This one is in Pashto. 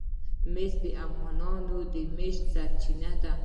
مس د افغانانو د معیشت سرچینه ده.